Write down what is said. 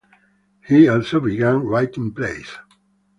He also began writing plays.